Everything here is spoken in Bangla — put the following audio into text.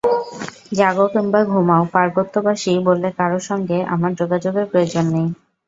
জাগো কিংবা ঘুমাও পার্বত্যবাসী বলে কারও সঙ্গে আমার যোগাযোগের প্রয়োজন নেই।